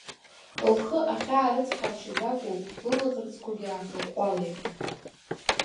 Лхы ахьаарыцҳалшьаз акәу, лылаӷырӡқәагьы аахаҟәҟәалеит.